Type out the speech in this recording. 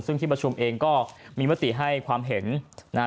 ซึ่งที่ประชุมเองก็มีมติให้ความเห็นนะฮะ